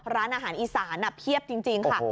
ร้านอาหารอีสานเพียบจริงค่ะ